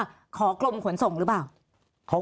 ขอกรมขนส่งหรือเปล่า